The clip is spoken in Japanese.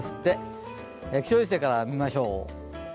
気象衛星から見ましょう。